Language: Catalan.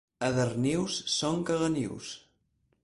A Darnius són caganius.